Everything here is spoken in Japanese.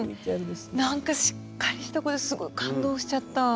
なんか、しっかりした子ですごい感動しちゃった。